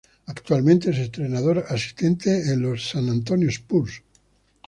Actualmente es entrenador asistente en los San Antonio Spurs.